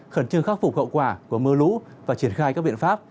khẩn trương khắc phục hậu quả của mưa lũ và triển khai các biện pháp